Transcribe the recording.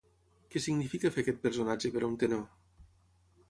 Què significa fer aquest personatge per a un tenor?